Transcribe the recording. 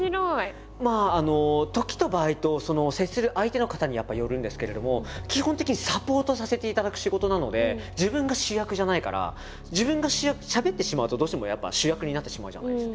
まあ時と場合とその接する相手の方にやっぱりよるんですけれども自分が主役じゃないから自分が主役しゃべってしまうとどうしてもやっぱ主役になってしまうじゃないですか。